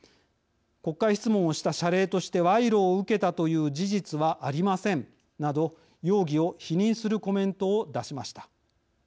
国会質問をした謝礼として賄賂を受けたという事実はありません」など容疑を否認するコメントを出しました。